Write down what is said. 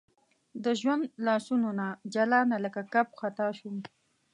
د ژوند لاسونو نه جلانه لکه کب خطا شم